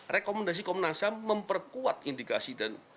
rekomendasi komnasiam memperkuat indikasi dan